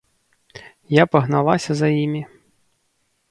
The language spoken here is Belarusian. Я пагналася за імі.